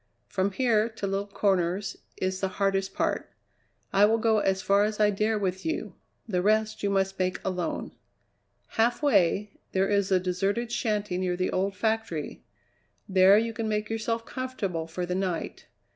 From here to Little Corners is the hardest part. I will go as far as I dare with you; the rest you must make alone. Halfway, there is a deserted shanty near the old factory; there you can make yourself comfortable for the night.